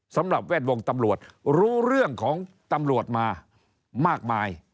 แวดวงตำรวจรู้เรื่องของตำรวจมามากมาย